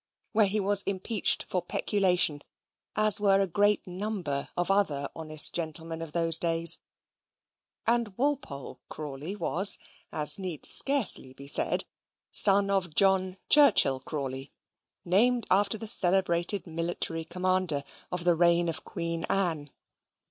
when he was impeached for peculation, as were a great number of other honest gentlemen of those days; and Walpole Crawley was, as need scarcely be said, son of John Churchill Crawley, named after the celebrated military commander of the reign of Queen Anne.